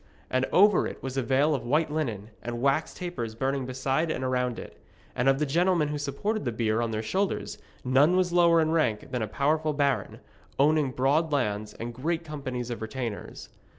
And over it was a veil of white linen, and wax tapers burning beside and around it, and of the gentlemen who supported the bier on their shoulders none was lower in rank than a powerful baron, owning broad lands and great companies of retainers.